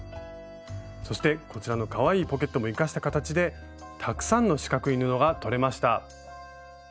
そしてこちらのかわいいポケットも生かした形でたくさんの四角い布がとれました。